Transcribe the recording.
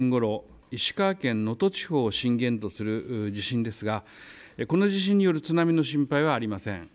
本日、１５時８分ごろ、石川県能登地方を震源とする地震ですが、この地震による津波の心配はありません。